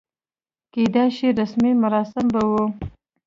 کېدای شي رسمي مراسم به و.